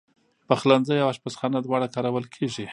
پخلنځی او آشپزخانه دواړه کارول کېږي.